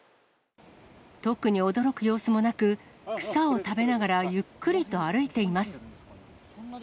特に驚く様子もなく、草を食べながらゆっくりと歩いています。